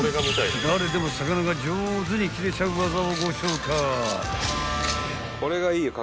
［誰でも魚が上手に切れちゃう技をご紹介］